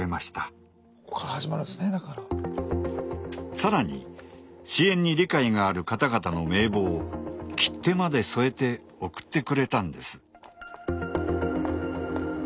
さらに支援に理解がある方々の名簿を切手まで添えて送ってくれたんです。